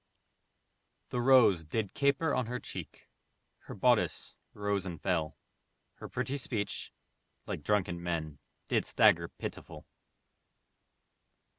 The rose did caper on her cheek, Her bodice rose and fell, Her pretty speech, like drunken men, Did stagger pitiful.